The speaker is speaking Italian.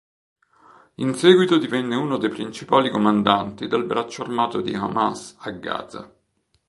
In seguito divenne uno dei principali comandanti del braccio armato di Hamas a Gaza.